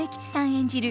演じる